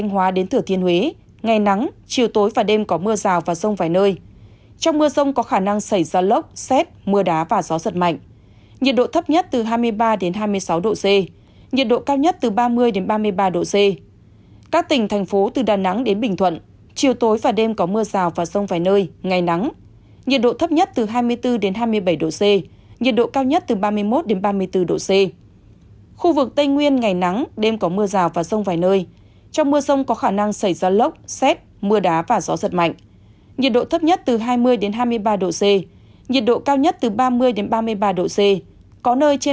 nhiệt độ thấp nhất từ hai mươi đến hai mươi ba độ c nhiệt độ cao nhất từ ba mươi đến ba mươi ba độ c có nơi trên ba mươi ba độ c